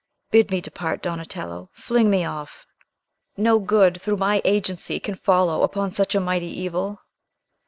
Bid me depart, Donatello! Fling me off! No good, through my agency, can follow upon such a mighty evil!"